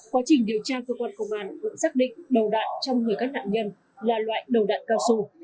quá trình điều tra cơ quan công an cũng xác định đầu đạn trong người các nạn nhân là loại đầu đạn cao su